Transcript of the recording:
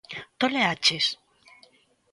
Toleaches?